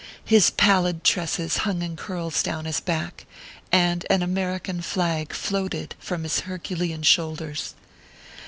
His pallid tresses hung in curls down his back, and an American flag floated from his Herculean shoulders.